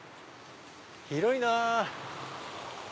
広いなぁ。